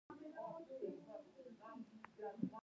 افغانستان تر هغو نه ابادیږي، ترڅو کلتوري میراثونه ژوندي نشي.